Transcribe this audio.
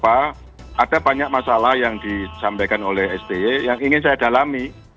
saya memberikan ilustrasi kepada sdi bahwa ada banyak masalah yang disampaikan oleh sdi yang ingin saya dalami